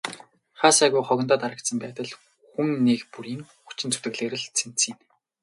Хаа сайгүй хогондоо дарагдсан байдал хүн нэг бүрийн хүчин зүтгэлээр л цэмцийнэ.